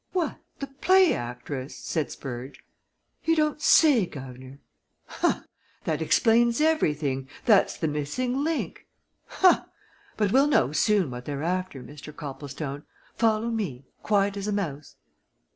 "What the play actress!" said Spurge. "You don't say, guv'nor? Ha! that explains everything that's the missing link! Ha! But we'll soon know what they're after, Mr. Copplestone. Follow me quiet as a mouse."